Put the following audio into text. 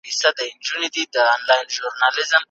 مرغۍ د خپل حق د ترلاسه کولو لپاره مبارزه وکړه.